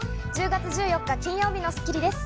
１０月１４日、金曜日の『スッキリ』です。